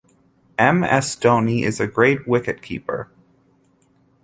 M. S. Dhoni is a great wicketkeeper.